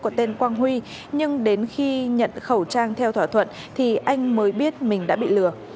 có tên quang huy nhưng đến khi nhận khẩu trang theo thỏa thuận thì anh mới biết mình đã bị lừa